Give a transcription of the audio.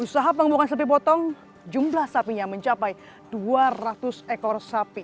usaha pengembukan sapi potong jumlah sapinya mencapai dua ratus ekor sapi